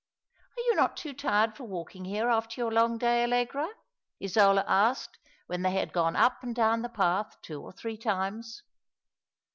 " Are you not too tired for walking here after your long day, Allegra?" Isola asked, when they had gone up and down the path two or three times.